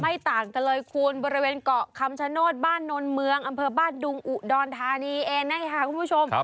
ต่างกันเลยคุณบริเวณเกาะคำชโนธบ้านนนเมืองอำเภอบ้านดุงอุดรธานีเองนะคะคุณผู้ชม